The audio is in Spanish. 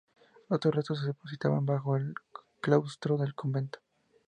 Otros restos se depositaban bajo el claustro del convento.